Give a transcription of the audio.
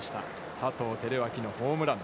佐藤輝明のホームラン。